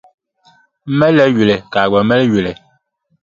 M malila yuli ka a gba mali yuli.